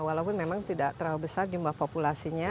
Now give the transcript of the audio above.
walaupun memang tidak terlalu besar jumlah populasinya